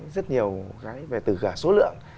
rất nhiều cái về từ cả số lượng